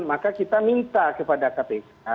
maka kita minta kepada kpk